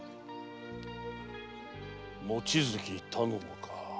望月頼母か。